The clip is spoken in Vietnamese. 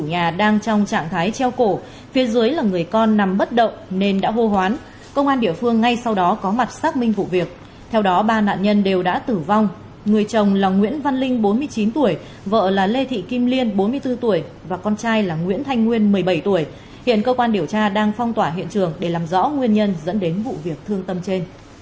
hãy đăng ký kênh để ủng hộ kênh của chúng mình nhé